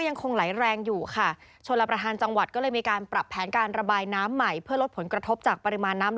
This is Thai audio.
ไปติดตามสถานการณ์นี้กันเลยกับคุณวงกดจุยนิมค่ะ